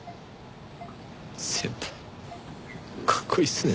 先輩かっこいいっすね。